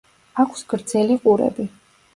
აქვს გრძელი ყურები.